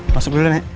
masuk dulu ya nek